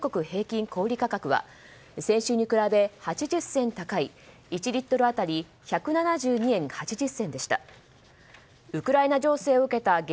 平均小売価格は先週に比べ８０銭高い１リットル当たり１７２円８０銭でした。